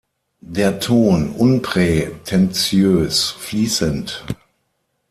Der Ton unprätentiös, fließend“.